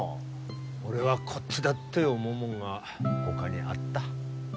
俺はこっちだって思うもんがほかにあった。